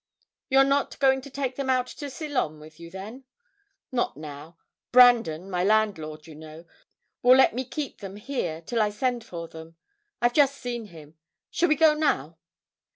'You're not going to take them out to Ceylon with you, then?' 'Not now. Brandon my landlord, you know will let me keep them here till I send for them. I've just seen him. Shall we go now?'